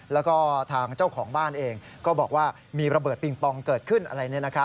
แล้วก็ทางเจ้าของบ้านเองก็บอกว่ามีระเบิดปิงปองเกิดขึ้นอะไร